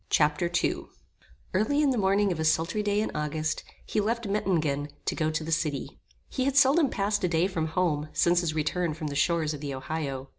Chapter II Early in the morning of a sultry day in August, he left Mettingen, to go to the city. He had seldom passed a day from home since his return from the shores of the Ohio.